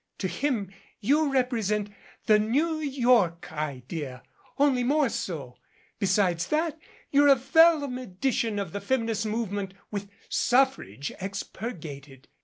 To him you represent 'the New York Idea' only more so. Be sides that you're a vellum edition of the Feminist Move ment with suffrage expurgated.